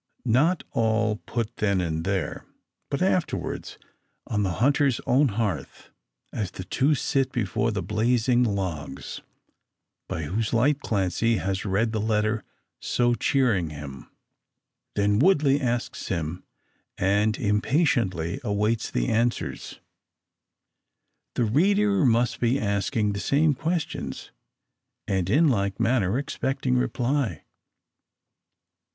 Not all put then or there; but afterwards on the hunter's own hearth, as the two sit before the blazing logs, by whose light Clancy has read the letter so cheering him. Then Woodley asks them, and impatiently awaits the answers. The reader may be asking the same questions, and in like manner expecting reply.